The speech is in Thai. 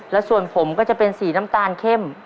และส่วนผมก็จะเป็นสีน้ำตาลเข้ม